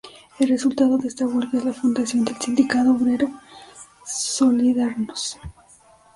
El resultado de esta huelga es la fundación del sindicato obrero "Solidarność".